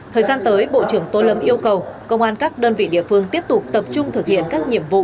thời gian tới bộ trưởng tô lâm yêu cầu công an các đơn vị địa phương tiếp tục tập trung thực hiện các nhiệm vụ